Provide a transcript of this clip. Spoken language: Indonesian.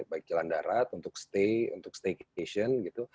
baik jalan darat untuk stay untuk staycation gitu